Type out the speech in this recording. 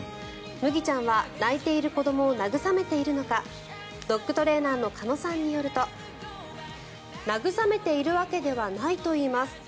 むぎちゃんは泣いている子どもを慰めているのかドッグトレーナーの鹿野さんによると慰めているわけではないといいます。